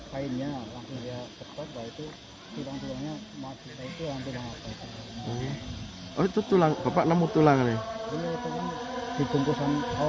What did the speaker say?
kainnya langsung dia tepuk